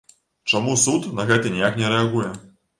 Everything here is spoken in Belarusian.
Чаму суд на гэта ніяк не рэагуе?